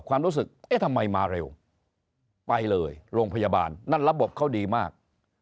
ความรู้สึกเอ๊ะทำไมมาเร็วไปเลยโรงพยาบาลนั่นระบบเขาดีมาก